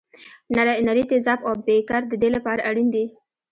نري تیزاب او بیکر د دې لپاره اړین دي.